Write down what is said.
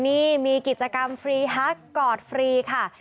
นี่มีกิจกรรมฟรีฮักกอดฟรีค่ะ